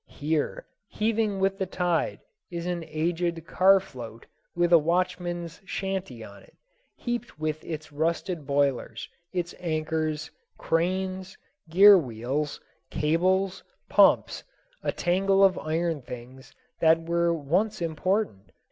Here, heaving with the tide, is an aged car float with a watchman's shanty on it, heaped with its rusted boilers, its anchors, cranes, gear wheels, cables, pumps, a tangle of iron things that were once important.